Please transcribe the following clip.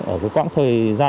ở cái quãng thời gian